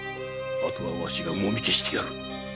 あとはワシがモミ消してやる。